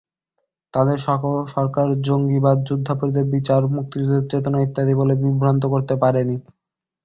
তাদেরকে সরকার জঙ্গিবাদ, যুদ্ধাপরাধীদের বিচার, মুক্তিযুদ্ধের চেতনা ইত্যাদি বলে বিভ্রান্ত করতে পারেনি।